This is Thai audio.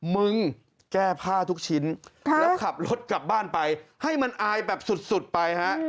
มึงแก้ผ้าทุกชิ้นแล้วขับรถกลับบ้านไปให้มันอายแบบสุดไปฮะ